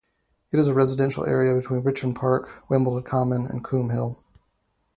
It is a residential area between Richmond Park, Wimbledon Common and Coombe Hill.